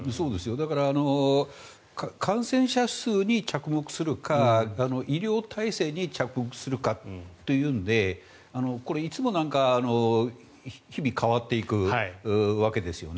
だから、感染者数に着目するかあるいは医療体制に着目するかというのでこれ、いつもなんか日々変わっていくわけですよね。